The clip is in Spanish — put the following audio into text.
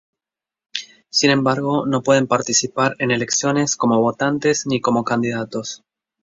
Sin embargo, no pueden participar en elecciones como votantes ni como candidatos.